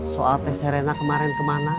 soal t serena kemarin kemana